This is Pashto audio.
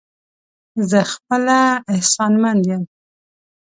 زه خپله اخلاص مند يم